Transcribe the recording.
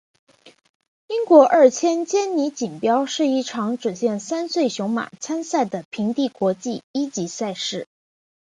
英国二千坚尼锦标是一场只限三岁雄马参赛的平地国际一级赛事。